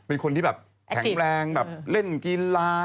เป็นคนที่แบบแข็งแรงแบบเล่นกีฬา